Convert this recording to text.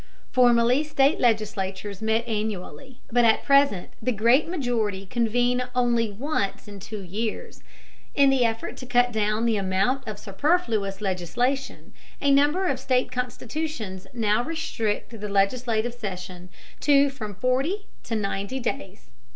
Formerly state legislatures met annually, but at present the great majority convene only once in two years. In the effort to cut down the amount of superfluous legislation, a number of state constitutions now restrict the legislative session to from forty to ninety days.